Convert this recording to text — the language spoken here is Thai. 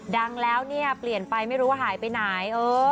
ดังแล้วเนี่ยเปลี่ยนไปไม่รู้ว่าหายไปไหน